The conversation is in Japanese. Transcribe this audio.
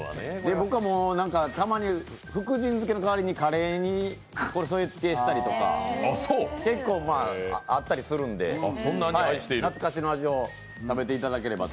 僕はたまに福神漬けのかわりにカレーにこれを添えつけしたり結構あったりするんで、懐かしの味を食べていただければと。